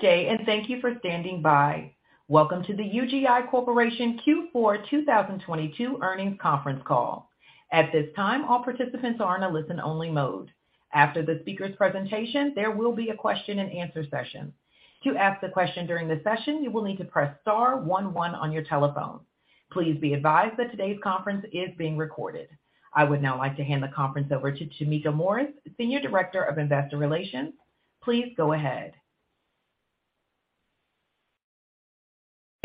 Good day, and thank you for standing by. Welcome to the UGI Corporation Q4 2022 Earnings Conference Call. At this time, all participants are in a listen-only mode. After the speaker's presentation, there will be a question and answer session. To ask the question during the session, you will need to press star one one on your telephone. Please be advised that today's conference is being recorded. I would now like to hand the conference over to Tameka Morris, Senior Director of Investor Relations.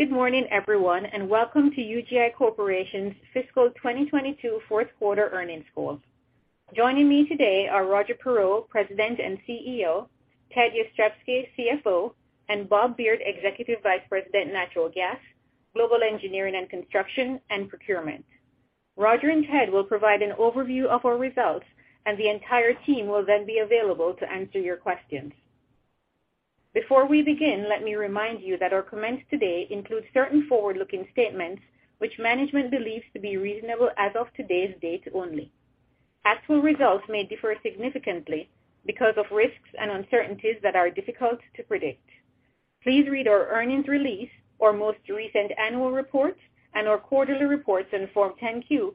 Please go ahead. Good morning, everyone, and welcome to UGI Corporation's fiscal 2022 Fourth Quarter Earnings Call. Joining me today are Roger Perreault, President and CEO, Ted Jastrzebski, CFO, and Robert F. Beard, Executive Vice President, Natural Gas, Global Engineering and Construction, and Procurement. Roger and Ted will provide an overview of our results, and the entire team will then be available to answer your questions. Before we begin, let me remind you that our comments today include certain forward-looking statements which management believes to be reasonable as of today's date only. Actual results may differ significantly because of risks and uncertainties that are difficult to predict. Please read our earnings release or most recent annual report and our quarterly reports in Form 10-Q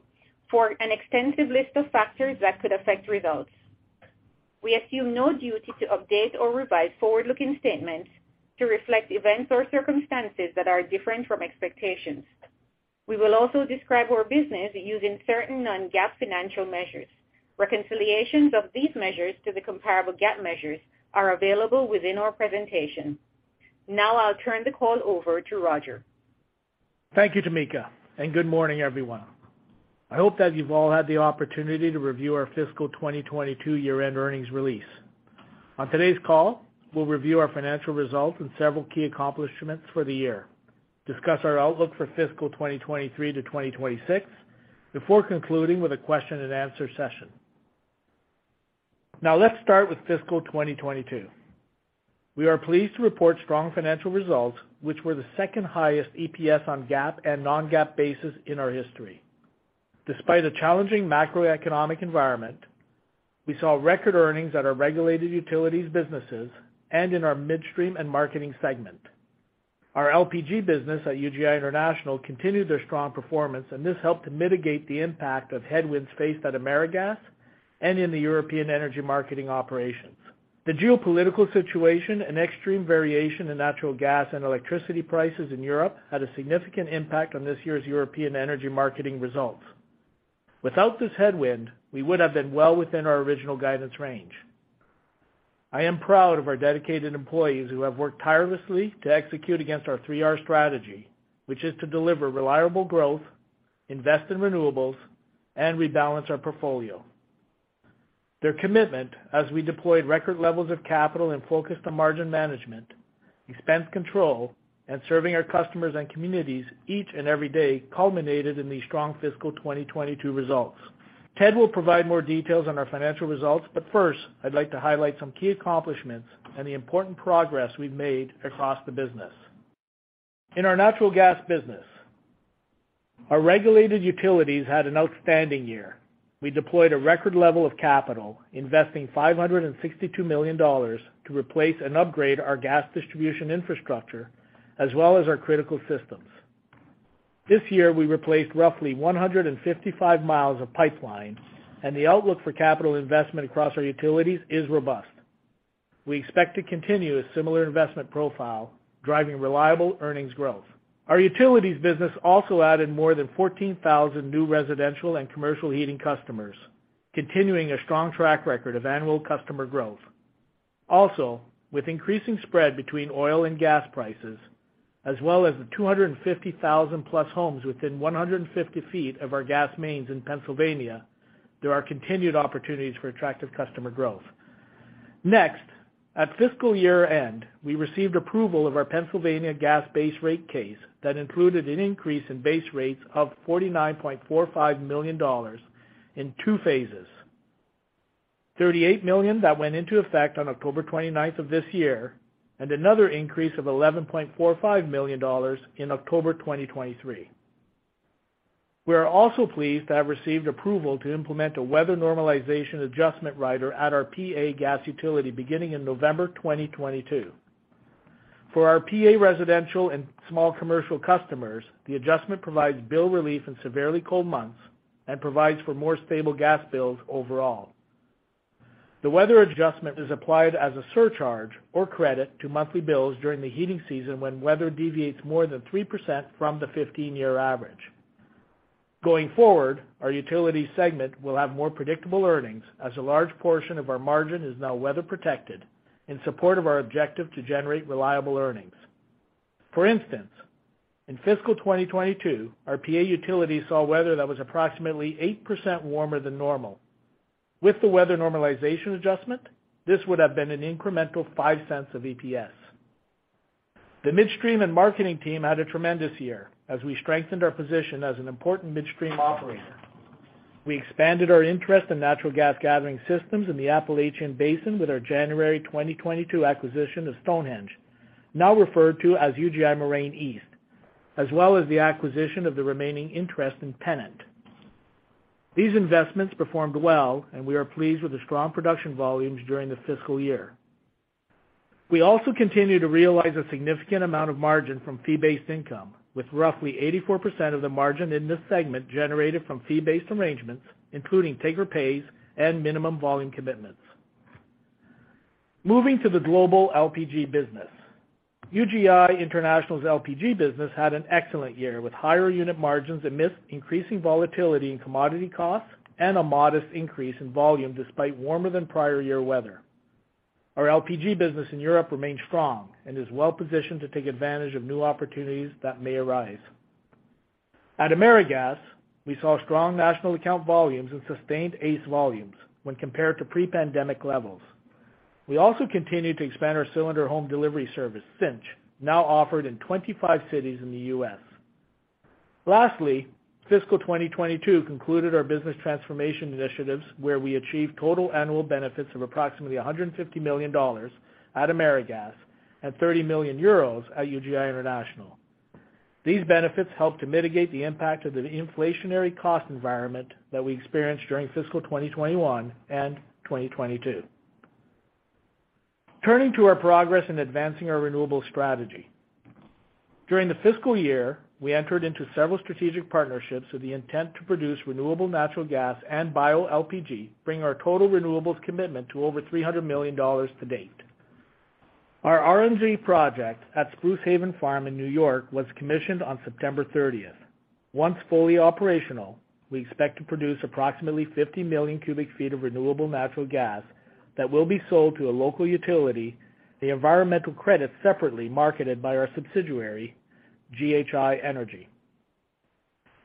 for an extensive list of factors that could affect results. We assume no duty to update or revise forward-looking statements to reflect events or circumstances that are different from expectations. We will also describe our business using certain non-GAAP financial measures. Reconciliations of these measures to the comparable GAAP measures are available within our presentation. Now I'll turn the call over to Roger. Thank you, Tameka. Good morning, everyone. I hope that you've all had the opportunity to review our fiscal 2022 year-end earnings release. On today's call, we'll review our financial results and several key accomplishments for the year, discuss our outlook for fiscal 2023-2026 before concluding with a question and answer session. Now let's start with fiscal 2022. We are pleased to report strong financial results, which were the second-highest EPS on GAAP and non-GAAP basis in our history. Despite a challenging macroeconomic environment, we saw record earnings at our regulated utilities businesses and in our Midstream & Marketing segment. Our LPG business at UGI International continued their strong performance, and this helped to mitigate the impact of headwinds faced at AmeriGas and in the European energy marketing operations. The geopolitical situation and extreme variation in natural gas and electricity prices in Europe had a significant impact on this year's European energy marketing results. Without this headwind, we would have been well within our original guidance range. I am proud of our dedicated employees who have worked tirelessly to execute against our 3R strategy, which is to deliver reliable growth, invest in renewables, and rebalance our portfolio. Their commitment as we deployed record levels of capital and focused on margin management, expense control, and serving our customers and communities each and every day culminated in these strong fiscal 2022 results. Ted will provide more details on our financial results, but first, I'd like to highlight some key accomplishments and the important progress we've made across the business. In our natural gas business, our regulated utilities had an outstanding year. We deployed a record level of capital, investing $562 million to replace and upgrade our gas distribution infrastructure as well as our critical systems. This year, we replaced roughly 155 miles of pipeline, and the outlook for capital investment across our utilities is robust. We expect to continue a similar investment profile, driving reliable earnings growth. Our utilities business also added more than 14,000 new residential and commercial heating customers, continuing a strong track record of annual customer growth. Also, with increasing spread between oil and gas prices, as well as the 250,000+ homes within 150 feet of our gas mains in Pennsylvania, there are continued opportunities for attractive customer growth. Next, at fiscal year-end, we received approval of our Pennsylvania gas base rate case that included an increase in base rates of $49.45 million in two phases, $38 million that went into effect on October 29th of this year, and another increase of $11.45 million in October 2023. We are also pleased to have received approval to implement a weather normalization adjustment rider at our P.A. gas utility beginning in November 2022. For our P.A. residential and small commercial customers, the adjustment provides bill relief in severely cold months and provides for more stable gas bills overall. The weather adjustment is applied as a surcharge or credit to monthly bills during the heating season when weather deviates more than 3% from the 15-year average. Going forward, our utility segment will have more predictable earnings as a large portion of our margin is now weather-protected in support of our objective to generate reliable earnings. For instance, in fiscal 2022, our P.A. utility saw weather that was approximately 8% warmer than normal. With the weather normalization adjustment, this would have been an incremental $0.05 of EPS. The Midstream & Marketing team had a tremendous year as we strengthened our position as an important midstream operator. We expanded our interest in natural gas gathering systems in the Appalachian Basin with our January 2022 acquisition of Stonehenge, now referred to as UGI Moraine East, as well as the acquisition of the remaining interest in Pennant. These investments performed well, and we are pleased with the strong production volumes during the fiscal year. We also continue to realize a significant amount of margin from fee-based income, with roughly 84% of the margin in this segment generated from fee-based arrangements, including take-or-pays and minimum volume commitments. Moving to the global LPG business. UGI International's LPG business had an excellent year, with higher unit margins amidst increasing volatility in commodity costs and a modest increase in volume despite warmer than prior-year weather. Our LPG business in Europe remains strong and is well-positioned to take advantage of new opportunities that may arise. At AmeriGas, we saw strong national account volumes and sustained ACE volumes when compared to pre-pandemic levels. We also continued to expand our cylinder home delivery service, Cinch, now offered in 25 cities in the U.S. Lastly, fiscal 2022 concluded our business transformation initiatives where we achieved total annual benefits of approximately $150 million at AmeriGas and 30 million euros at UGI International. These benefits help to mitigate the impact of the inflationary cost environment that we experienced during fiscal 2021 and 2022. Turning to our progress in advancing our renewable strategy, during the fiscal year, we entered into several strategic partnerships with the intent to produce renewable natural gas and bioLPG, bringing our total renewables commitment to over $300 million to date. Our RNG project at Spruce Haven Farm in New York was commissioned on September 30th. Once fully operational, we expect to produce approximately 50 million cubic feet of renewable natural gas that will be sold to a local utility, the environmental credits separately marketed by our subsidiary, GHI Energy.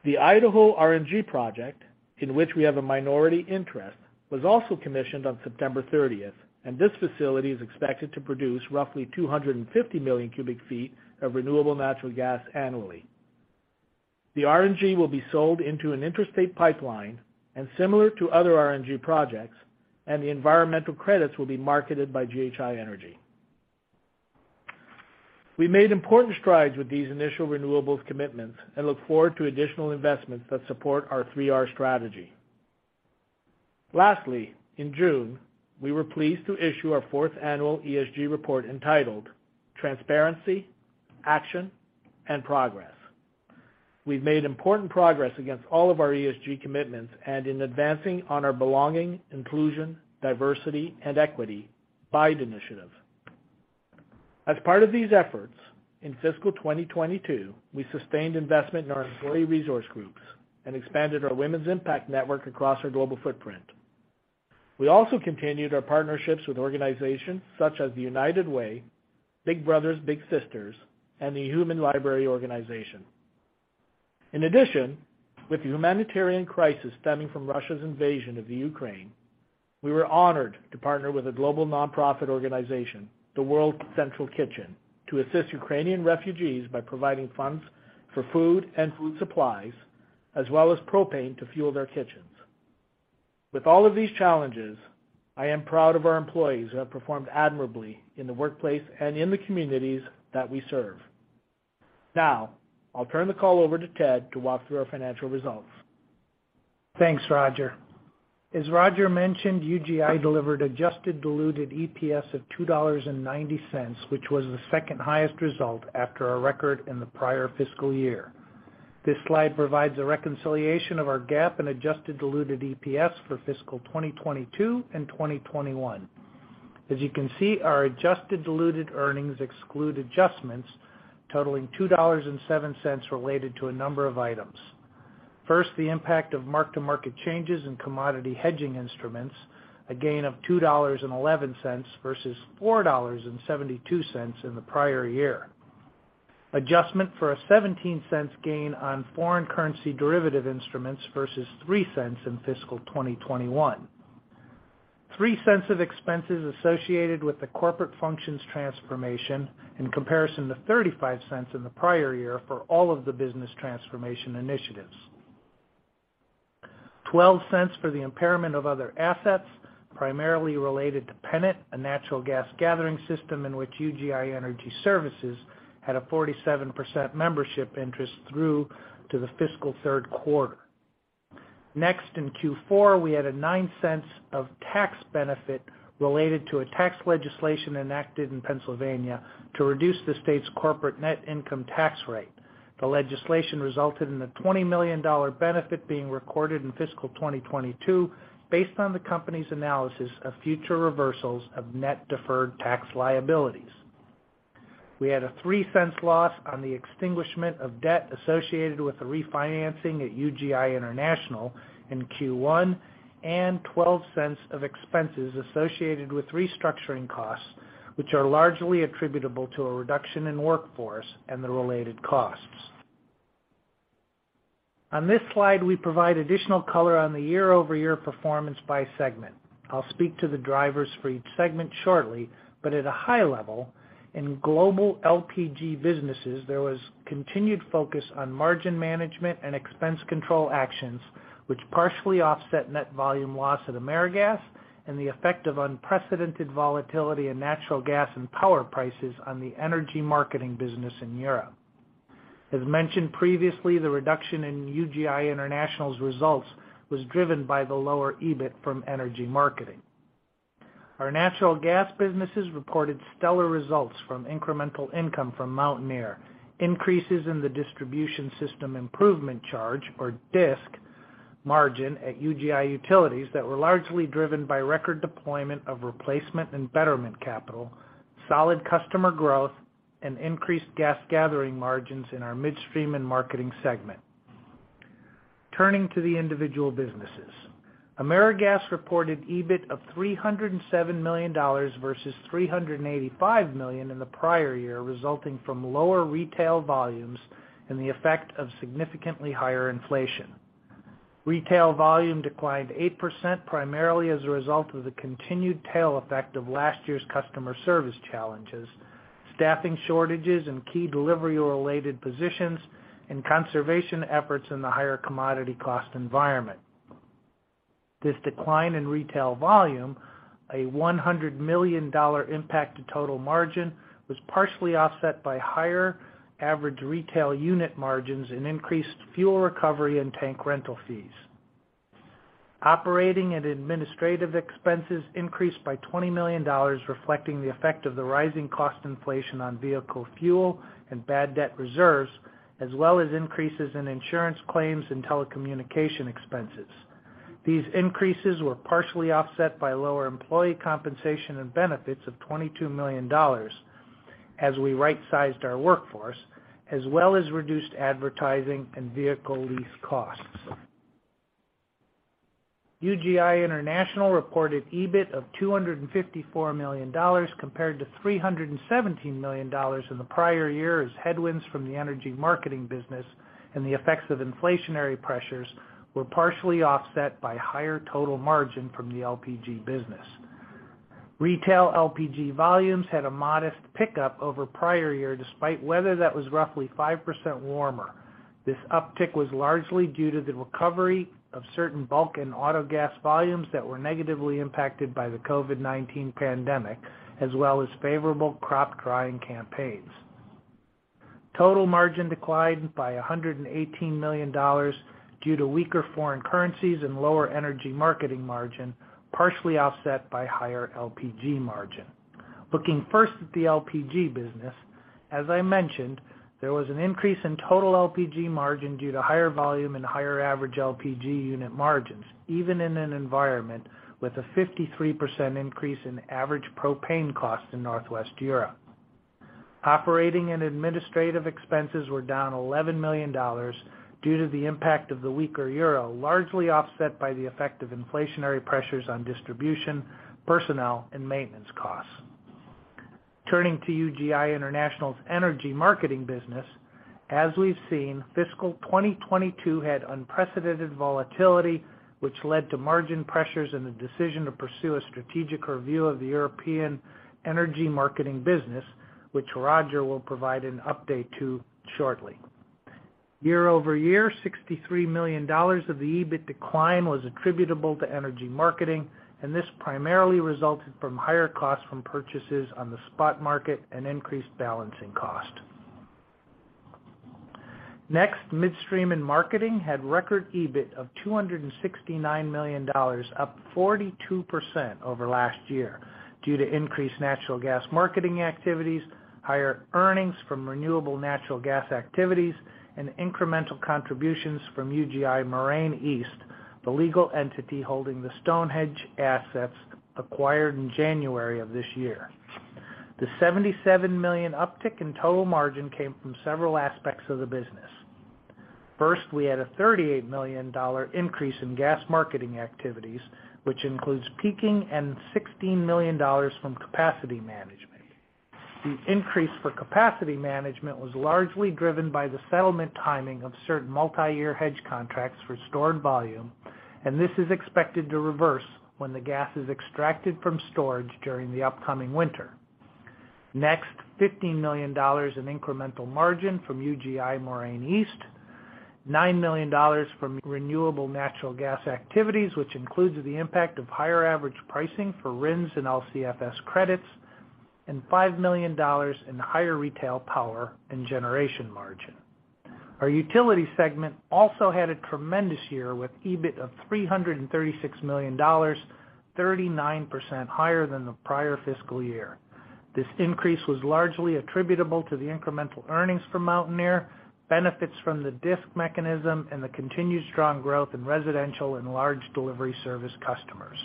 The Idaho RNG project, in which we have a minority interest, was also commissioned on September 30th, and this facility is expected to produce roughly 250 million cubic feet of renewable natural gas annually. The RNG will be sold into an interstate pipeline and similar to other RNG projects, and the environmental credits will be marketed by GHI Energy. We made important strides with these initial renewables commitments and look forward to additional investments that support our 3R strategy. Lastly, in June, we were pleased to issue our fourth annual ESG report entitled Transparency, Action, and Progress. We've made important progress against all of our ESG commitments and in advancing on our Belonging, Inclusion, Diversity, and Equity, BIDE initiative. As part of these efforts, in fiscal 2022, we sustained investment in our employee resource groups and expanded our Women's Impact Network across our global footprint. We also continued our partnerships with organizations such as the United Way, Big Brothers Big Sisters, and the Human Library Organization. In addition, with the humanitarian crisis stemming from Russia's invasion of the Ukraine, we were honored to partner with a global non-profit organization, the World Central Kitchen, to assist Ukrainian refugees by providing funds for food and food supplies, as well as propane to fuel their kitchens. With all of these challenges, I am proud of our employees who have performed admirably in the workplace and in the communities that we serve. Now, I'll turn the call over to Ted to walk through our financial results. Thanks, Roger. As Roger mentioned, UGI delivered adjusted diluted EPS of $2.90, which was the second highest result after our record in the prior fiscal year. This slide provides a reconciliation of our GAAP and adjusted diluted EPS for fiscal 2022 and 2021. As you can see, our adjusted diluted earnings exclude adjustments totaling $2.07 related to a number of items. First, the impact of mark-to-market changes in commodity hedging instruments, a gain of $2.11 versus $4.72 in the prior year. Adjustment for a $0.17 gain on foreign currency derivative instruments versus $0.03 in fiscal 2021. $0.03 of expenses associated with the corporate functions transformation in comparison to $0.35 in the prior year for all of the business transformation initiatives.$0.12 for the impairment of other assets, primarily related to Pennant, a natural gas gathering system in which UGI Energy Services had a 47% membership interest through to the fiscal third quarter. Next, in Q4, we had $0.09 of tax benefit related to a tax legislation enacted in Pennsylvania to reduce the state's corporate net income tax rate. The legislation resulted in a $20 million benefit being recorded in fiscal 2022 based on the company's analysis of future reversals of net deferred tax liabilities. We had $0.03 loss on the extinguishment of debt associated with the refinancing at UGI International in Q1 and $0.12 of expenses associated with restructuring costs, which are largely attributable to a reduction in workforce and the related costs. On this slide, we provide additional color on the year-over-year performance by segment. I'll speak to the drivers for each segment shortly, but at a high level, in global LPG businesses, there was continued focus on margin management and expense control actions, which partially offset net volume loss at AmeriGas and the effect of unprecedented volatility in natural gas and power prices on the energy marketing business in Europe. As mentioned previously, the reduction in UGI International's results was driven by the lower EBIT from energy marketing. Our natural gas businesses reported stellar results from incremental income from Mountaineer, increases in the distribution system improvement charge or DISC margin at UGI Utilities that were largely driven by record deployment of replacement and betterment capital, solid customer growth, and increased gas gathering margins in our Midstream & Marketing segment. Turning to the individual businesses. AmeriGas reported EBIT of $307 million versus $385 million in the prior year, resulting from lower retail volumes and the effect of significantly higher inflation. Retail volume declined 8% primarily as a result of the continued tail effect of last year's customer service challenges, staffing shortages in key delivery-related positions, and conservation efforts in the higher commodity cost environment. This decline in retail volume, a $100 million impact to total margin, was partially offset by higher average retail unit margins and increased fuel recovery and tank rental fees. Operating and administrative expenses increased by $20 million, reflecting the effect of the rising cost inflation on vehicle fuel and bad debt reserves, as well as increases in insurance claims and telecommunication expenses. These increases were partially offset by lower employee compensation and benefits of $22 million as we right-sized our workforce, as well as reduced advertising and vehicle lease costs. UGI International reported EBIT of $254 million compared to $317 million in the prior year as headwinds from the energy marketing business and the effects of inflationary pressures were partially offset by higher total margin from the LPG business. Retail LPG volumes had a modest pickup over prior year, despite weather that was roughly 5% warmer. This uptick was largely due to the recovery of certain bulk and autogas volumes that were negatively impacted by the COVID-19 pandemic, as well as favorable crop drying campaigns. Total margin declined by $118 million due to weaker foreign currencies and lower energy marketing margin, partially offset by higher LPG margin. Looking first at the LPG business, as I mentioned, there was an increase in total LPG margin due to higher volume and higher average LPG unit margins, even in an environment with a 53% increase in average propane costs in Northwest Europe. Operating and administrative expenses were down $11 million due to the impact of the weaker euro, largely offset by the effect of inflationary pressures on distribution, personnel, and maintenance costs. Turning to UGI International's energy marketing business. As we've seen, fiscal 2022 had unprecedented volatility, which led to margin pressures and the decision to pursue a strategic review of the European energy marketing business, which Roger will provide an update to shortly. Year-over-year, $63 million of the EBIT decline was attributable to energy marketing, and this primarily resulted from higher costs from purchases on the spot market and increased balancing cost. Next, Midstream & Marketing had record EBIT of $269 million, up 42% over last year due to increased natural gas marketing activities, higher earnings from renewable natural gas activities, and incremental contributions from UGI Moraine East, the legal entity holding the Stonehenge assets acquired in January of this year. The $77 million uptick in total margin came from several aspects of the business. First, we had a $38 million increase in gas marketing activities, which includes peaking and $16 million from capacity management. The increase for capacity management was largely driven by the settlement timing of certain multi-year hedge contracts for stored volume, and this is expected to reverse when the gas is extracted from storage during the upcoming winter. Next, $15 million in incremental margin from UGI Moraine East, $9 million from renewable natural gas activities, which includes the impact of higher average pricing for RINs and LCFS credits, and $5 million in higher retail power and generation margin. Our utility segment also had a tremendous year with EBIT of $336 million, 39% higher than the prior fiscal year. This increase was largely attributable to the incremental earnings from Mountaineer, benefits from the DISC mechanism, and the continued strong growth in residential and large delivery service customers.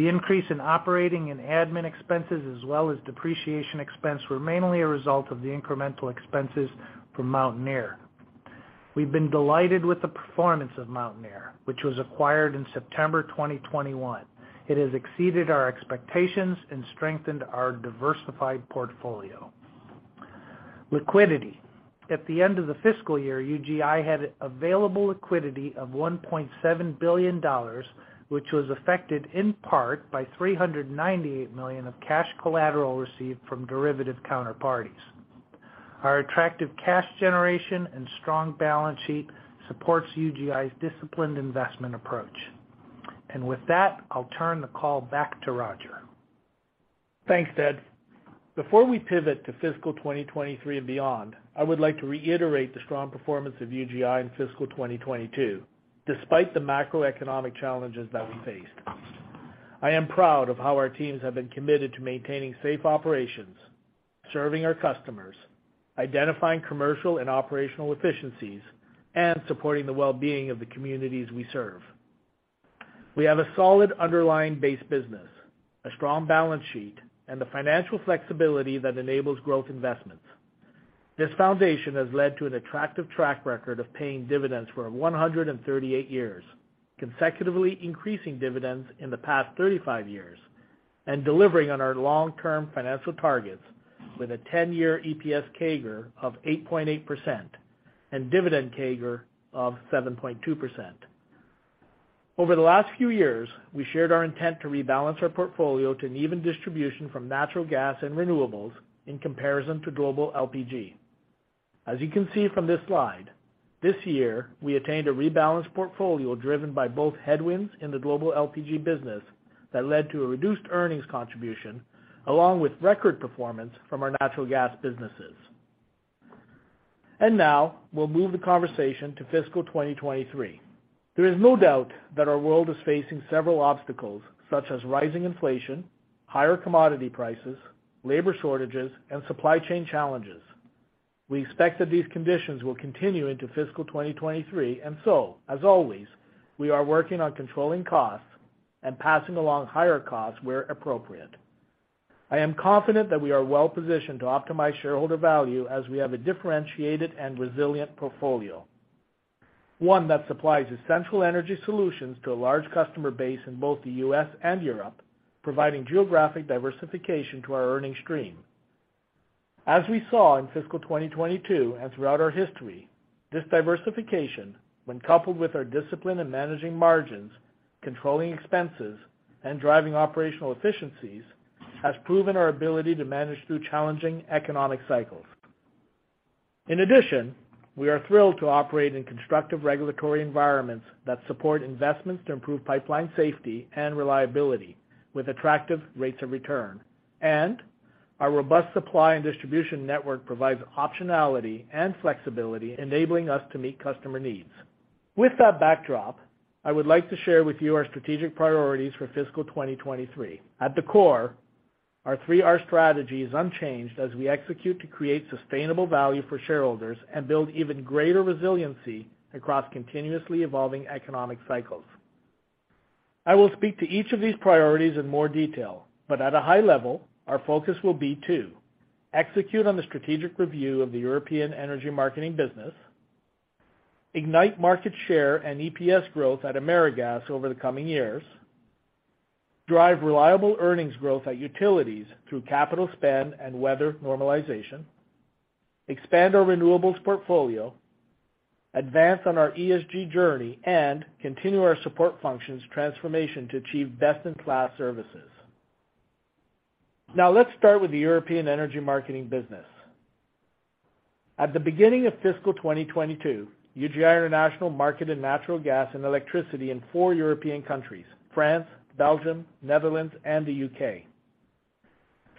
The increase in operating and admin expenses, as well as depreciation expense, were mainly a result of the incremental expenses from Mountaineer. We've been delighted with the performance of Mountaineer, which was acquired in September 2021. It has exceeded our expectations and strengthened our diversified portfolio. Liquidity. At the end of the fiscal year, UGI had available liquidity of $1.7 billion, which was affected in part by $398 million of cash collateral received from derivative counterparties. Our attractive cash generation and strong balance sheet supports UGI's disciplined investment approach. With that, I'll turn the call back to Roger. Thanks, Ted. Before we pivot to fiscal 2023 and beyond, I would like to reiterate the strong performance of UGI in fiscal 2022 despite the macroeconomic challenges that we faced. I am proud of how our teams have been committed to maintaining safe operations, serving our customers, identifying commercial and operational efficiencies, and supporting the well-being of the communities we serve. We have a solid underlying base business, a strong balance sheet, and the financial flexibility that enables growth investments. This foundation has led to an attractive track record of paying dividends for 138 years, consecutively increasing dividends in the past 35 years, and delivering on our long-term financial targets with a 10-year EPS CAGR of 8.8% and dividend CAGR of 7.2%.Over the last few years, we shared our intent to rebalance our portfolio to an even distribution from natural gas and renewables in comparison to global LPG. As you can see from this slide, this year, we attained a rebalanced portfolio driven by both headwinds in the global LPG business that led to a reduced earnings contribution, along with record performance from our natural gas businesses. Now we'll move the conversation to fiscal 2023. There is no doubt that our world is facing several obstacles, such as rising inflation, higher commodity prices, labor shortages, and supply chain challenges. We expect that these conditions will continue into fiscal 2023, and so, as always, we are working on controlling costs and passing along higher costs where appropriate. I am confident that we are well-positioned to optimize shareholder value as we have a differentiated and resilient portfolio. One that supplies essential energy solutions to a large customer base in both the U.S. and Europe, providing geographic diversification to our earnings stream. As we saw in fiscal 2022 and throughout our history, this diversification, when coupled with our discipline in managing margins, controlling expenses, and driving operational efficiencies, has proven our ability to manage through challenging economic cycles. In addition, we are thrilled to operate in constructive regulatory environments that support investments to improve pipeline safety and reliability with attractive rates of return. Our robust supply and distribution network provides optionality and flexibility, enabling us to meet customer needs. With that backdrop, I would like to share with you our strategic priorities for fiscal 2023. At the core, our 3R strategy is unchanged as we execute to create sustainable value for shareholders and build even greater resiliency across continuously evolving economic cycles. I will speak to each of these priorities in more detail, but at a high level, our focus will be to execute on the strategic review of the European energy marketing business, ignite market share and EPS growth at AmeriGas over the coming years, drive reliable earnings growth at utilities through capital spend and weather normalization, expand our renewables portfolio, advance on our ESG journey, and continue our support functions transformation to achieve best-in-class services. Now let's start with the European energy marketing business. At the beginning of fiscal 2022, UGI International marketed natural gas and electricity in four European countries, France, Belgium, Netherlands, and the U.K.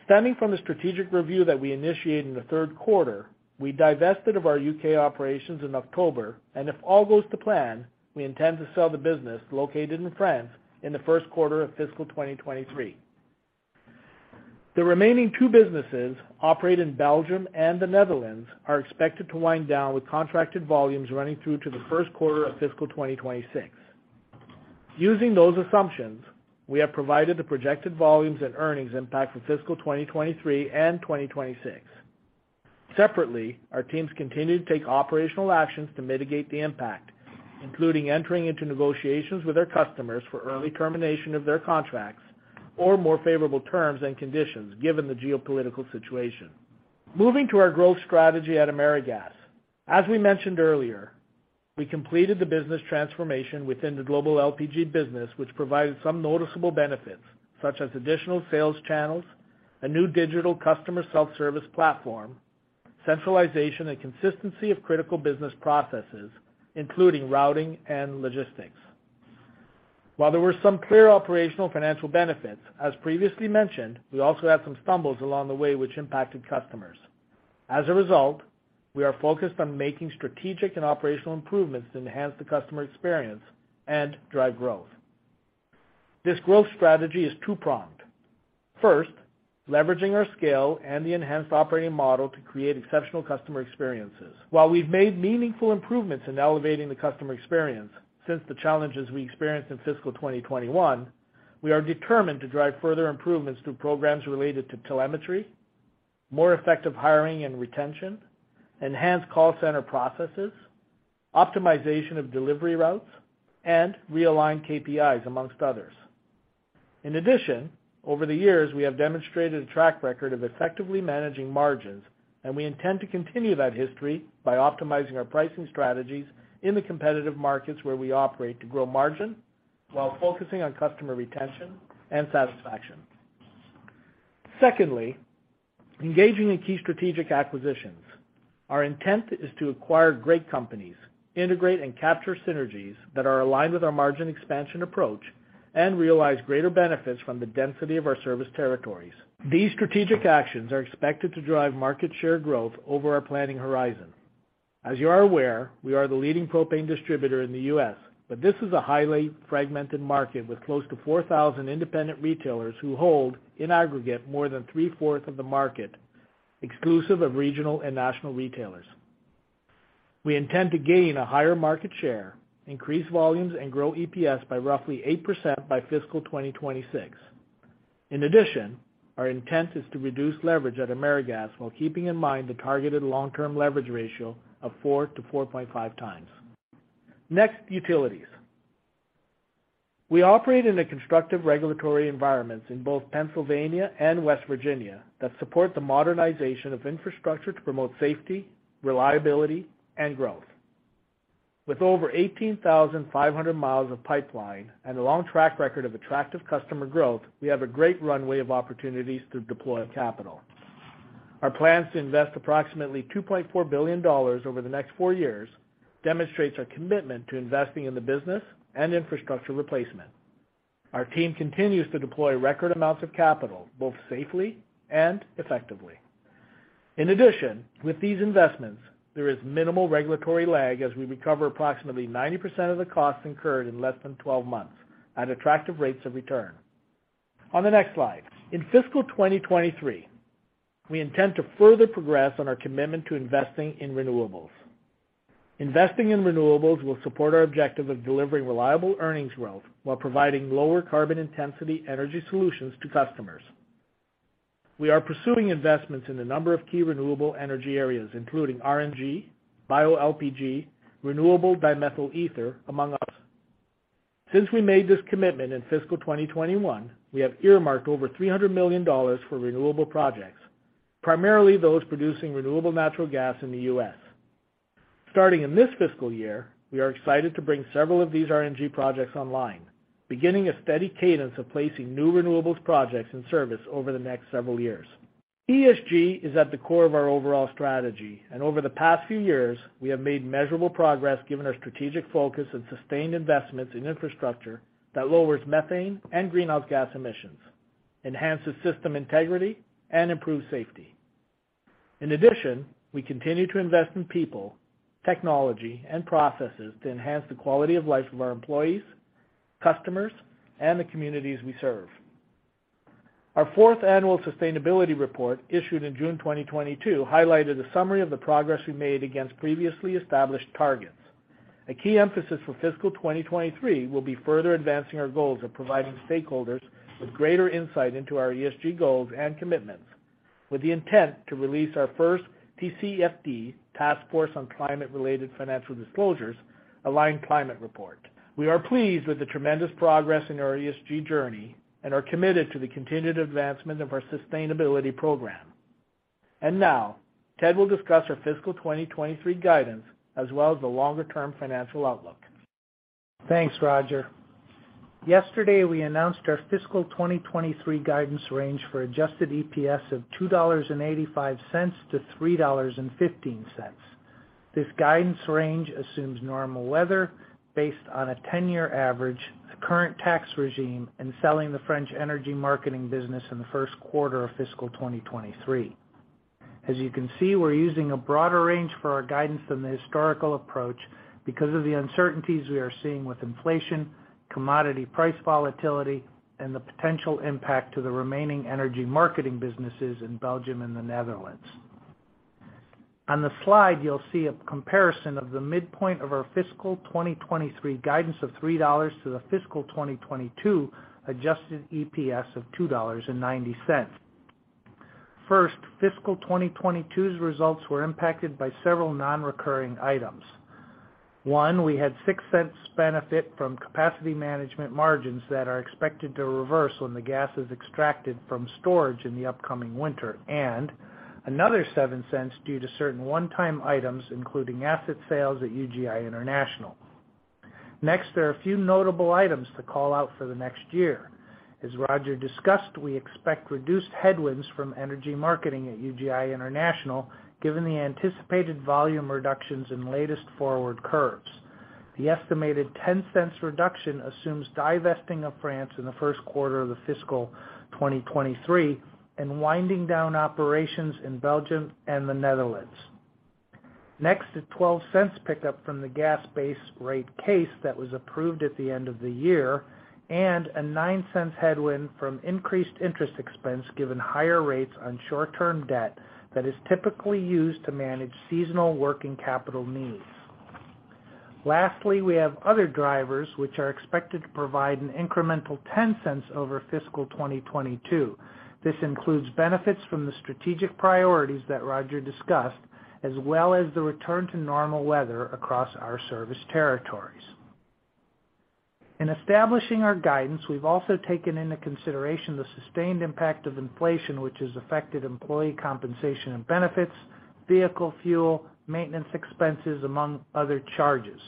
Stemming from the strategic review that we initiated in the third quarter, we divested of our UK operations in October, and if all goes to plan, we intend to sell the business located in France in the first quarter of fiscal 2023. The remaining two businesses operate in Belgium and the Netherlands are expected to wind down with contracted volumes running through to the first quarter of fiscal 2026. Using those assumptions, we have provided the projected volumes and earnings impact for fiscal 2023 and 2026. Separately, our teams continue to take operational actions to mitigate the impact, including entering into negotiations with our customers for early termination of their contracts or more favorable terms and conditions, given the geopolitical situation. Moving to our growth strategy at AmeriGas. As we mentioned earlier, we completed the business transformation within the global LPG business, which provided some noticeable benefits, such as additional sales channels, a new digital customer self-service platform, centralization and consistency of critical business processes, including routing and logistics. While there were some clear operational financial benefits, as previously mentioned, we also had some stumbles along the way which impacted customers. As a result, we are focused on making strategic and operational improvements to enhance the customer experience and drive growth. This growth strategy is two-pronged. First, leveraging our scale and the enhanced operating model to create exceptional customer experiences. While we've made meaningful improvements in elevating the customer experience since the challenges we experienced in fiscal 2021, we are determined to drive further improvements through programs related to telemetry, more effective hiring and retention, enhanced call center processes, optimization of delivery routes, and realigned KPIs, amongst others. In addition, over the years, we have demonstrated a track record of effectively managing margins, and we intend to continue that history by optimizing our pricing strategies in the competitive markets where we operate to grow margin while focusing on customer retention and satisfaction. Secondly, engaging in key strategic acquisitions. Our intent is to acquire great companies, integrate and capture synergies that are aligned with our margin expansion approach, and realize greater benefits from the density of our service territories. These strategic actions are expected to drive market share growth over our planning horizon. As you are aware, we are the leading propane distributor in the U.S., but this is a highly fragmented market with close to 4,000 independent retailers who hold, in aggregate, more than 3/4 of the market, exclusive of regional and national retailers. We intend to gain a higher market share, increase volumes, and grow EPS by roughly 8% by fiscal 2026. In addition, our intent is to reduce leverage at AmeriGas while keeping in mind the targeted long-term leverage ratio of 4x-4.5x. Next, utilities. We operate in a constructive regulatory environment in both Pennsylvania and West Virginia that supports the modernization of infrastructure to promote safety, reliability, and growth. With over 18,500 miles of pipeline and a long track record of attractive customer growth, we have a great runway of opportunities to deploy capital. Our plans to invest approximately two point four billion dollars over the next four years demonstrates our commitment to investing in the business and infrastructure replacement. Our team continues to deploy record amounts of capital, both safely and effectively. In addition, with these investments, there is minimal regulatory lag as we recover approximately ninety percent of the costs incurred in less than 12 months at attractive rates of return. On the next slide. In fiscal 2023, we intend to further progress on our commitment to investing in renewables. Investing in renewables will support our objective of delivering reliable earnings growth while providing lower carbon intensity energy solutions to customers. We are pursuing investments in a number of key renewable energy areas, including RNG, bioLPG, Renewable Dimethyl Ether, among others. Since we made this commitment in fiscal 2021, we have earmarked over $300 million for renewable projects, primarily those producing renewable natural gas in the U.S. Starting in this fiscal year, we are excited to bring several of these RNG projects online, beginning a steady cadence of placing new renewables projects in service over the next several years. ESG is at the core of our overall strategy, and over the past few years, we have made measurable progress given our strategic focus and sustained investments in infrastructure that lowers methane and greenhouse gas emissions, enhances system integrity, and improves safety. In addition, we continue to invest in people, technology, and processes to enhance the quality of life of our employees, customers, and the communities we serve. Our fourth annual sustainability report, issued in June 2022, highlighted a summary of the progress we made against previously established targets. A key emphasis for fiscal 2023 will be further advancing our goals of providing stakeholders with greater insight into our ESG goals and commitments with the intent to release our first TCFD, Task Force on Climate-related Financial Disclosures, aligned climate report. We are pleased with the tremendous progress in our ESG journey and are committed to the continued advancement of our sustainability program. Now Ted will discuss our fiscal 2023 guidance as well as the longer-term financial outlook. Thanks, Roger. Yesterday, we announced our fiscal 2023 guidance range for adjusted EPS of $2.85-$3.15. This guidance range assumes normal weather based on a 10-year average, the current tax regime, and selling the French energy marketing business in the first quarter of fiscal 2023. As you can see, we're using a broader range for our guidance than the historical approach because of the uncertainties we are seeing with inflation, commodity price volatility, and the potential impact to the remaining energy marketing businesses in Belgium and the Netherlands. On the slide, you'll see a comparison of the midpoint of our fiscal 2023 guidance of $3 to the fiscal 2022 adjusted EPS of $2.90. First, fiscal 2022's results were impacted by several non-recurring items. One, we had $0.06 benefit from capacity management margins that are expected to reverse when the gas is extracted from storage in the upcoming winter, and another $0.07 due to certain one-time items, including asset sales at UGI International. Next, there are a few notable items to call out for the next year. As Roger discussed, we expect reduced headwinds from energy marketing at UGI International, given the anticipated volume reductions in latest forward curves. The estimated $0.10 reduction assumes divesting of France in the first quarter of the fiscal 2023 and winding down operations in Belgium and the Netherlands. Next, a $0.12 pickup from the gas base rate case that was approved at the end of the year and a $0.09 headwind from increased interest expense given higher rates on short-term debt that is typically used to manage seasonal working capital needs. Lastly, we have other drivers which are expected to provide an incremental $0.10 over fiscal 2022. This includes benefits from the strategic priorities that Roger discussed, as well as the return to normal weather across our service territories. In establishing our guidance, we've also taken into consideration the sustained impact of inflation, which has affected employee compensation and benefits, vehicle fuel, maintenance expenses, among other charges.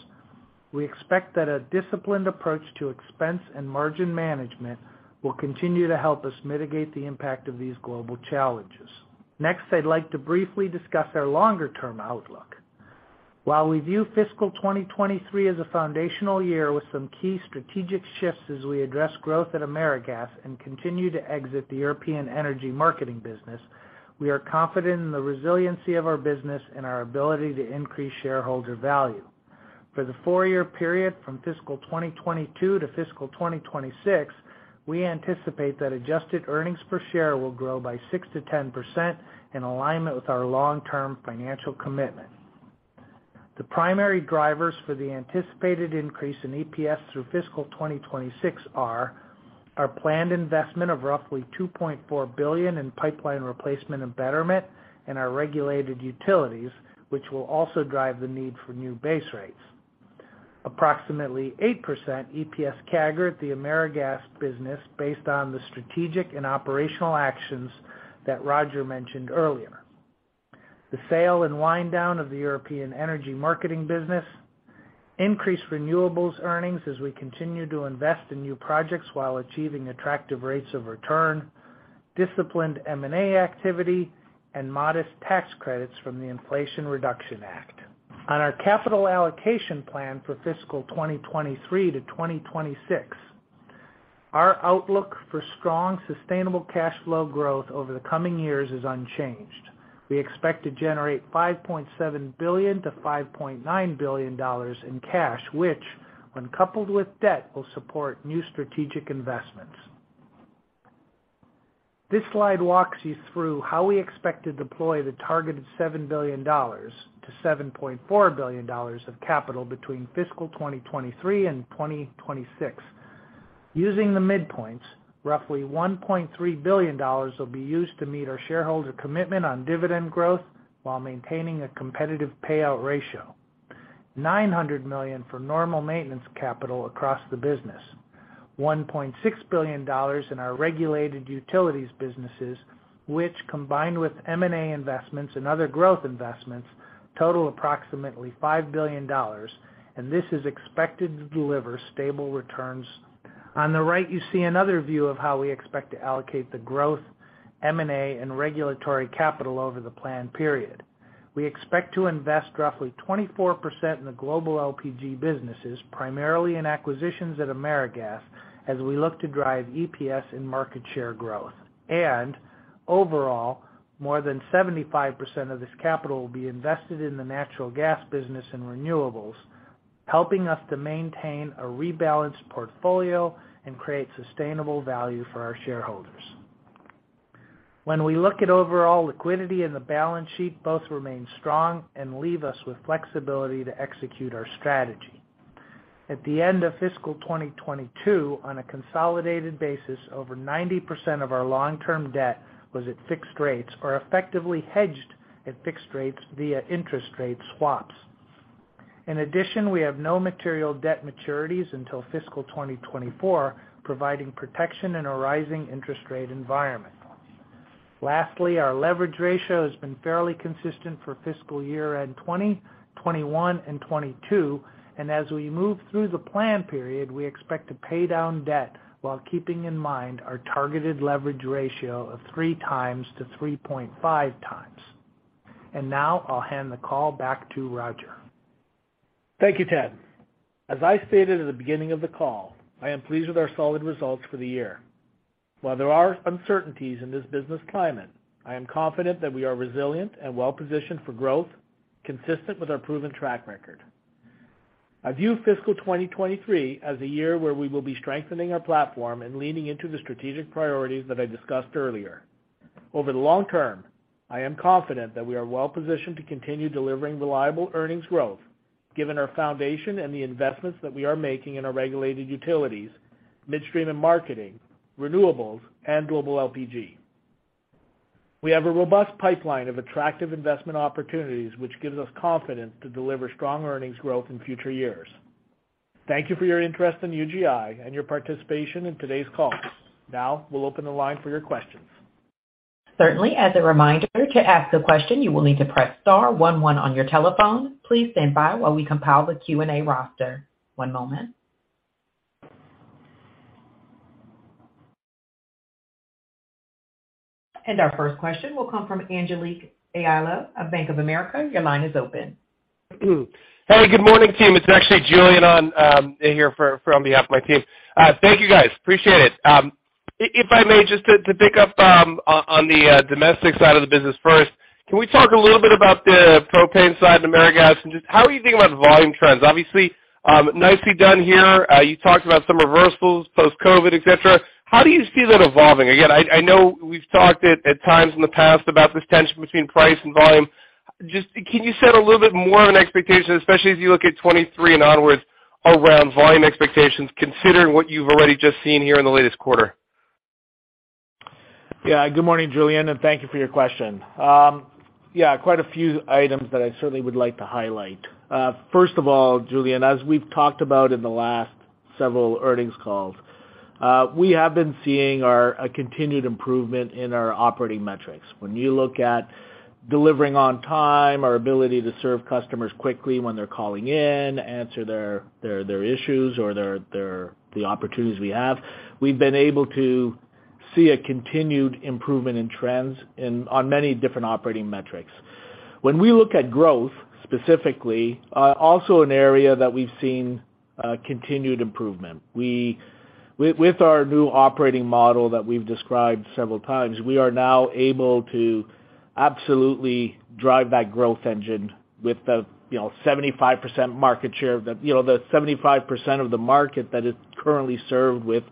We expect that a disciplined approach to expense and margin management will continue to help us mitigate the impact of these global challenges. Next, I'd like to briefly discuss our longer-term outlook. While we view fiscal 2023 as a foundational year with some key strategic shifts as we address growth at AmeriGas and continue to exit the European energy marketing business, we are confident in the resiliency of our business and our ability to increase shareholder value. For the four-year period from fiscal 2022 to fiscal 2026, we anticipate that adjusted earnings per share will grow by 6%-10% in alignment with our long-term financial commitment. The primary drivers for the anticipated increase in EPS through fiscal 2026 are our planned investment of roughly $2.4 billion in pipeline replacement and betterment in our regulated utilities, which will also drive the need for new base rates. Approximately 8% EPS CAGR at the AmeriGas business based on the strategic and operational actions that Roger mentioned earlier. The sale and wind down of the European energy marketing business. Increased renewables earnings as we continue to invest in new projects while achieving attractive rates of return. Disciplined M&A activity and modest tax credits from the Inflation Reduction Act. On our capital allocation plan for fiscal 2023-2026, our outlook for strong, sustainable cash flow growth over the coming years is unchanged. We expect to generate $5.7 billion-$5.9 billion in cash, which, when coupled with debt, will support new strategic investments. This slide walks you through how we expect to deploy the targeted $7 billion-$7.4 billion of capital between fiscal 2023 and 2026. Using the midpoints, roughly $1.3 billion will be used to meet our shareholder commitment on dividend growth while maintaining a competitive payout ratio. $900 million for normal maintenance capital across the business. $1.6 billion in our regulated utilities businesses, which, combined with M&A investments and other growth investments, total approximately $5 billion, and this is expected to deliver stable returns. On the right, you see another view of how we expect to allocate the growth, M&A, and regulatory capital over the plan period. We expect to invest roughly 24% in the global LPG businesses, primarily in acquisitions at AmeriGas, as we look to drive EPS and market share growth. And overall, more than 75% of this capital will be invested in the natural gas business and renewables, helping us to maintain a rebalanced portfolio and create sustainable value for our shareholders. When we look at overall liquidity in the balance sheet, both remain strong and leave us with flexibility to execute our strategy. At the end of fiscal 2022, on a consolidated basis, over 90% of our long-term debt was at fixed rates or effectively hedged at fixed rates via interest rate swaps. In addition, we have no material debt maturities until fiscal 2024, providing protection in a rising interest rate environment. Lastly, our leverage ratio has been fairly consistent for fiscal year end 2020, 2021, and 2022, and as we move through the plan period, we expect to pay down debt while keeping in mind our targeted leverage ratio of 3x-3.5x. Now I'll hand the call back to Roger. Thank you, Ted. As I stated at the beginning of the call, I am pleased with our solid results for the year. While there are uncertainties in this business climate, I am confident that we are resilient and well-positioned for growth consistent with our proven track record. I view fiscal 2023 as a year where we will be strengthening our platform and leaning into the strategic priorities that I discussed earlier. Over the long term, I am confident that we are well-positioned to continue delivering reliable earnings growth given our foundation and the investments that we are making in our regulated utilities, Midstream & Marketing, renewables, and global LPG. We have a robust pipeline of attractive investment opportunities, which gives us confidence to deliver strong earnings growth in future years. Thank you for your interest in UGI and your participation in today's call. Now we'll open the line for your questions. Certainly. As a reminder, to ask a question, you will need to press star one one on your telephone. Please stand by while we compile the Q&A roster. One moment. Our first question will come from Julien Dumoulin-Smith of Bank of America. Your line is open. Hey, good morning, team. It's actually Julien on behalf of my team. Thank you, guys. Appreciate it. If I may, just to pick up on the domestic side of the business first, can we talk a little bit about the propane side of AmeriGas? Just how are you thinking about volume trends? Obviously, nicely done here. You talked about some reversals post-COVID-19, et cetera. How do you see that evolving? Again, I know we've talked at times in the past about this tension between price and volume. Just can you set a little bit more of an expectation, especially as you look at 2023 and onwards around volume expectations, considering what you've already just seen here in the latest quarter? Yeah. Good morning, Julien. Thank you for your question. Yeah, quite a few items that I certainly would like to highlight. First of all, Julien, as we've talked about in the last several earnings calls, we have been seeing a continued improvement in our operating metrics. When you look at delivering on time, our ability to serve customers quickly when they're calling in, answer their issues or the opportunities we have, we've been able to see a continued improvement in trends on many different operating metrics. When we look at growth, specifically, also an area that we've seen continued improvement. With our new operating model that we've described several times, we are now able to absolutely drive that growth engine with the, you know, 75% of the market that is currently served with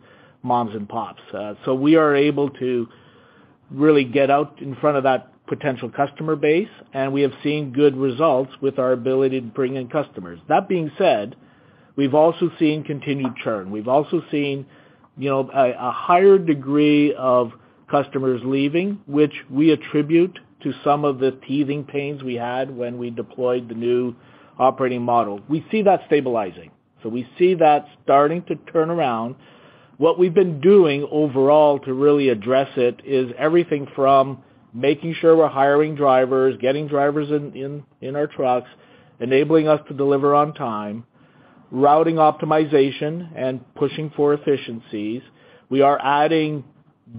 moms and pops. We are able to really get out in front of that potential customer base, and we have seen good results with our ability to bring in customers. That being said, we've also seen continued churn. We've also seen, you know, a higher degree of customers leaving, which we attribute to some of the teething pains we had when we deployed the new operating model. We see that stabilizing. We see that starting to turn around. What we've been doing overall to really address it is everything from making sure we're hiring drivers, getting drivers in, in our trucks, enabling us to deliver on time, routing optimization and pushing for efficiencies. We are adding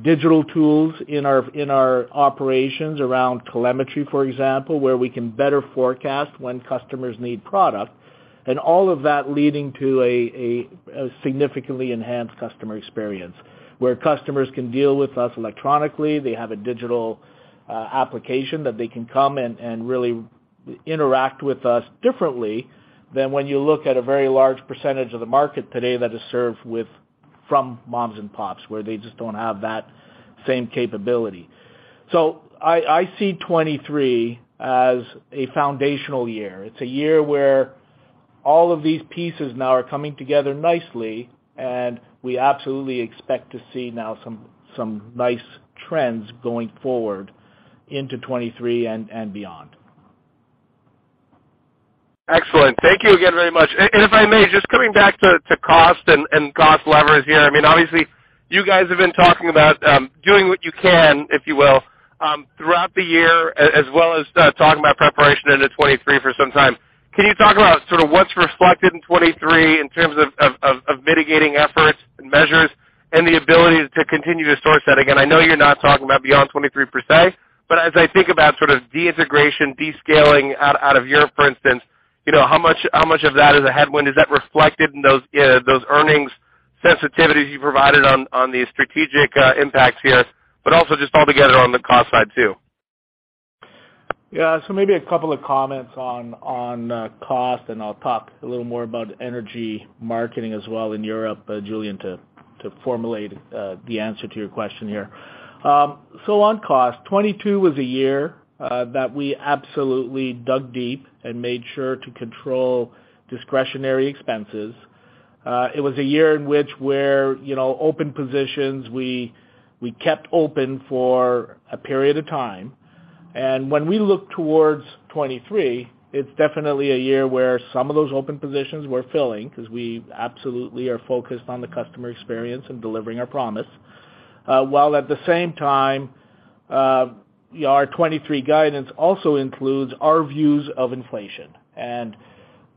digital tools in our, in our operations around telemetry, for example, where we can better forecast when customers need product. And all of that leading to a, a significantly enhanced customer experience, where customers can deal with us electronically. They have a digital, uh, application that they can come and really interact with us differently than when you look at a very large percentage of the market today that is served with-- from moms and pops, where they just don't have that same capability. So I see twenty-three as a foundational year. It's a year where all of these pieces now are coming together nicely, and we absolutely expect to see now some nice trends going forward into 2023 and beyond. Excellent. Thank you again very much. If I may, just coming back to cost and cost levers here, I mean, obviously you guys have been talking about doing what you can, if you will, throughout the year as well as talking about preparation into 2023 for some time. Can you talk about sort of what's reflected in 2023 in terms of mitigating efforts and measures and the ability to continue to source that? Again, I know you're not talking about beyond 2023 per se, but as I think about sort of de-integration, descaling out of Europe, for instance, you know, how much of that is a headwind? Is that reflected in those earnings sensitivities you provided on the strategic impacts here, but also just altogether on the cost side too? Yeah. Maybe a couple of comments on cost, and I'll talk a little more about energy marketing as well in Europe, Julien, to formulate the answer to your question here. On cost, 2022 was a year that we absolutely dug deep and made sure to control discretionary expenses. It was a year in which where, you know, open positions, we kept open for a period of time. When we look towards 2023, it's definitely a year where some of those open positions we're filling, because we absolutely are focused on the customer experience and delivering our promise. While at the same time, our 2023 guidance also includes our views of inflation.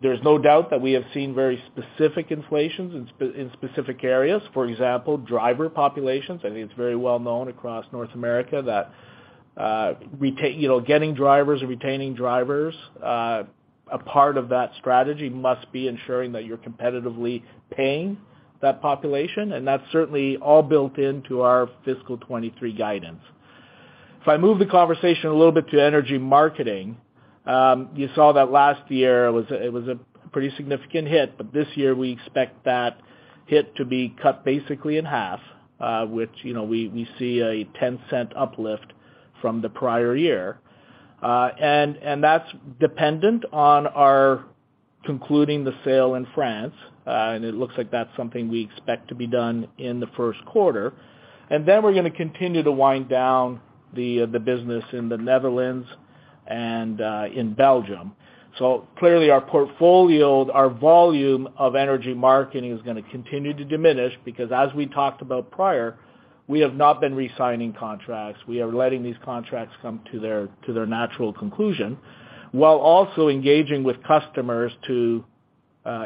There's no doubt that we have seen very specific inflations in specific areas, for example, driver populations. I think it's very well known across North America that, you know, getting drivers and retaining drivers, a part of that strategy must be ensuring that you're competitively paying that population, and that's certainly all built into our fiscal 2023 guidance. If I move the conversation a little bit to energy marketing, you saw that last year it was a pretty significant hit, but this year we expect that hit to be cut basically in half, which, you know, we see a $0.10 uplift from the prior year. That's dependent on our concluding the sale in France, and it looks like that's something we expect to be done in the first quarter. We're gonna continue to wind down the business in the Netherlands and in Belgium. Clearly our portfolio, our volume of energy marketing is gonna continue to diminish because as we talked about prior, we have not been re-signing contracts. We are letting these contracts come to their natural conclusion, while also engaging with customers to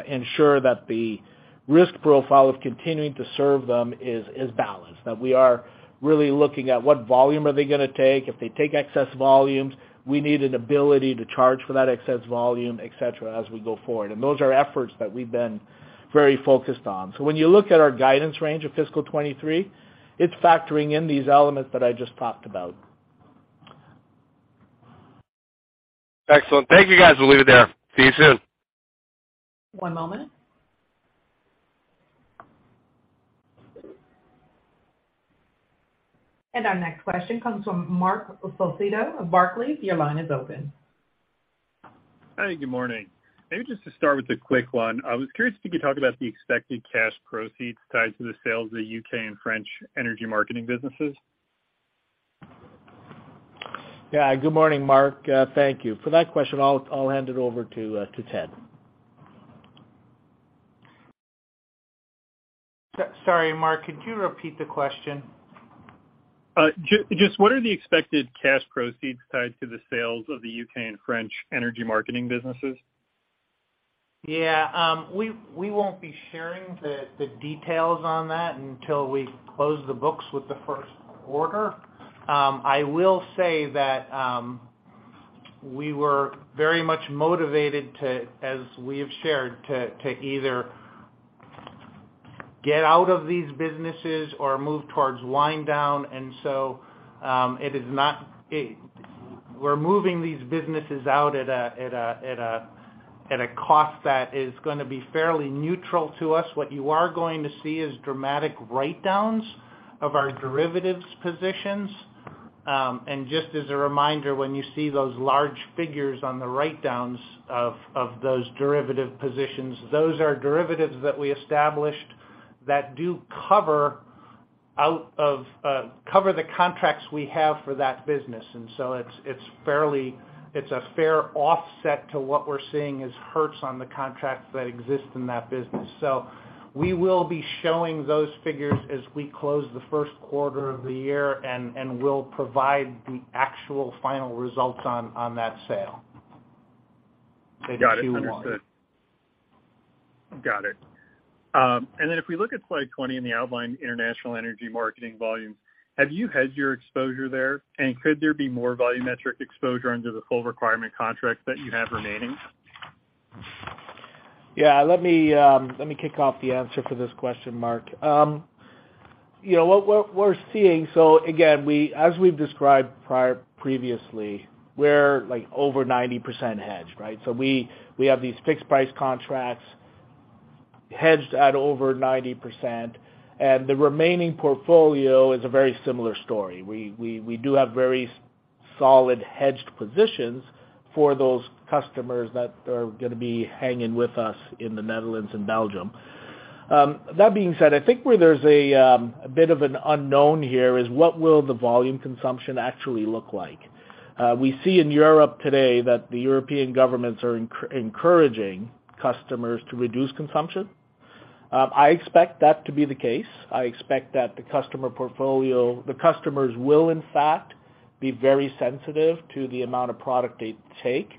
ensure that the risk profile of continuing to serve them is balanced, that we are really looking at what volume are they gonna take. If they take excess volumes, we need an ability to charge for that excess volume, et cetera, as we go forward. Those are efforts that we've been very focused on. When you look at our guidance range of fiscal 2023, it's factoring in these elements that I just talked about. Excellent. Thank you, guys. We'll leave it there. See you soon. One moment. Our next question comes from Marc Solecitto of Barclays. Your line is open. Hi, good morning. Maybe just to start with a quick one. I was curious if you could talk about the expected cash proceeds tied to the sales of the U.K. and French energy marketing businesses. Yeah. Good morning, Marc. Thank you for that question. I'll hand it over to Ted. Sorry, Marc, could you repeat the question? Just what are the expected cash proceeds tied to the sales of the U.K. and French energy marketing businesses? Yeah, we won't be sharing the details on that until we close the books with the first quarter. I will say that we were very much motivated to, as we have shared, to either get out of these businesses or move towards wind down. We're moving these businesses out at a cost that is gonna be fairly neutral to us. What you are going to see is dramatic write-downs of our derivatives positions. Just as a reminder, when you see those large figures on the write-downs of those derivative positions, those are derivatives that we established that do cover the contracts we have for that business. It's a fair offset to what we're seeing as hurts on the contracts that exist in that business. We will be showing those figures as we close the first quarter of the year, and we'll provide the actual final results on that sale in Q1. Got it. Understood. Got it. If we look at slide 20 in the outline, international energy marketing volumes, have you hedged your exposure there? Could there be more volumetric exposure under the full requirement contracts that you have remaining? Yeah. Let me kick off the answer for this question, Marc. You know, what we're seeing, again, as we've described previously, we're like, over 90% hedged, right? We have these fixed price contracts hedged at over 90%, and the remaining portfolio is a very similar story. We do have very solid hedged positions for those customers that are gonna be hanging with us in the Netherlands and Belgium. That being said, I think where there's a bit of an unknown here is what will the volume consumption actually look like. We see in Europe today that the European governments are encouraging customers to reduce consumption. I expect that to be the case. I expect that the customers will in fact be very sensitive to the amount of product they take.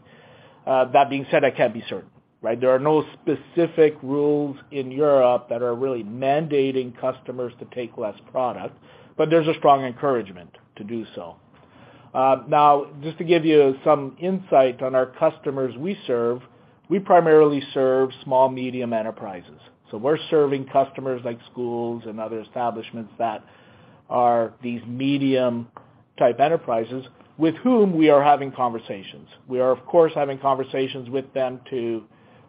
That being said, I can't be certain, right? There are no specific rules in Europe that are really mandating customers to take less product, but there's a strong encouragement to do so. Now, just to give you some insight on our customers we serve, we primarily serve small, medium enterprises. We're serving customers like schools and other establishments that are these medium type enterprises with whom we are having conversations. We are, of course, having conversations with them to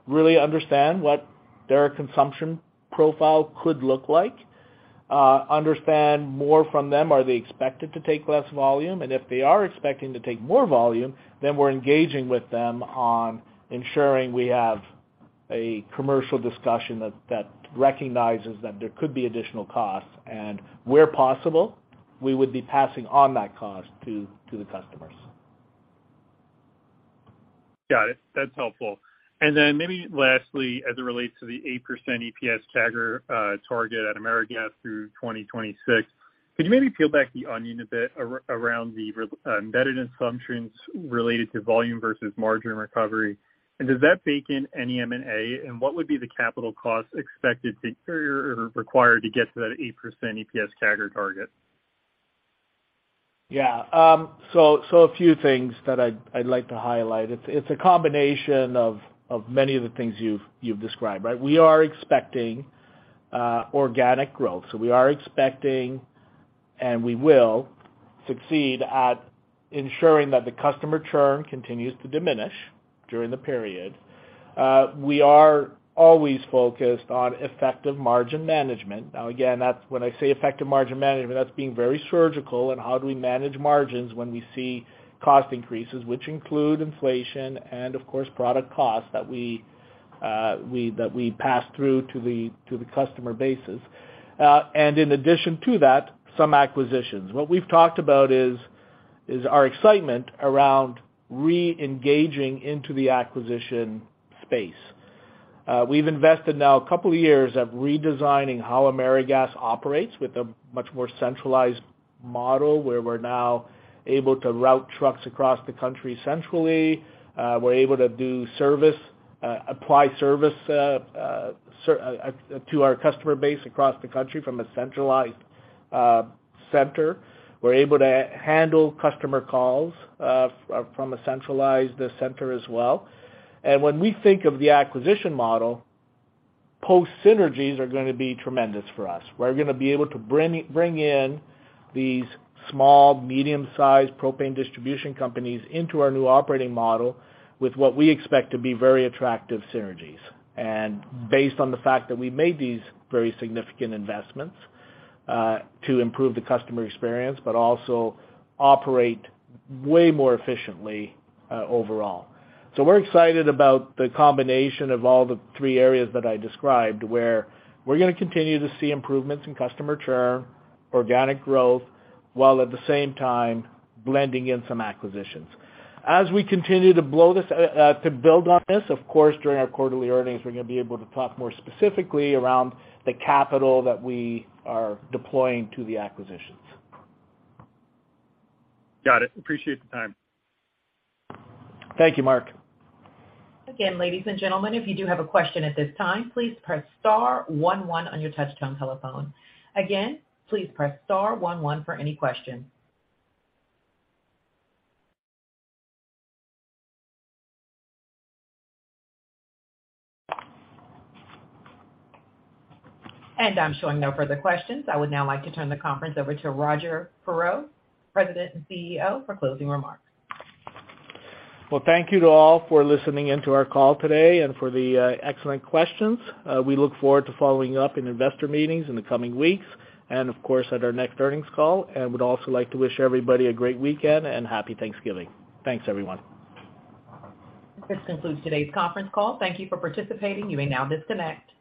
really understand what their consumption profile could look like, understand more from them. Are they expected to take less volume? If they are expecting to take more volume, then we're engaging with them on ensuring we have a commercial discussion that recognizes that there could be additional costs. Where possible, we would be passing on that cost to the customers. Got it. That's helpful. Maybe lastly, as it relates to the 8% EPS CAGR target at AmeriGas through 2026, could you maybe peel back the onion a bit around the embedded assumptions related to volume versus margin recovery? Does that bake in any M&A? What would be the capital costs expected to occur or required to get to that 8% EPS CAGR target? Yeah. A few things that I'd like to highlight. It's a combination of many of the things you've described, right? We are expecting organic growth. We are expecting, and we will succeed at ensuring that the customer churn continues to diminish during the period. We are always focused on effective margin management. Now, again, when I say effective margin management, that's being very surgical in how do we manage margins when we see cost increases, which include inflation and of course product costs that we pass through to the customer bases. In addition to that, some acquisitions. What we've talked about is our excitement around re-engaging into the acquisition space. We've invested now a couple of years of redesigning how AmeriGas operates with a much more centralized model, where we're now able to route trucks across the country centrally. We're able to apply service to our customer base across the country from a centralized center. We're able to handle customer calls from a centralized center as well. When we think of the acquisition model, post synergies are gonna be tremendous for us. We're gonna be able to bring in these small, medium-sized propane distribution companies into our new operating model with what we expect to be very attractive synergies. Based on the fact that we made these very significant investments to improve the customer experience, but also operate way more efficiently overall. We're excited about the combination of all the three areas that I described, where we're gonna continue to see improvements in customer churn, organic growth, while at the same time blending in some acquisitions. As we continue to build on this, of course, during our quarterly earnings, we're gonna be able to talk more specifically around the capital that we are deploying to the acquisitions. Got it. Appreciate the time. Thank you, Marc. Again, ladies and gentlemen, if you do have a question at this time, please press star one one on your touch-tone telephone. Again, please press star one one for any question. I'm showing no further questions. I would now like to turn the conference over to Roger Perreault, President and CEO, for closing remarks. Well, thank you to all for listening in to our call today and for the excellent questions. We look forward to following up in investor meetings in the coming weeks and of course at our next earnings call. Would also like to wish everybody a great weekend and happy Thanksgiving. Thanks, everyone. This concludes today's conference call. Thank you for participating. You may now disconnect.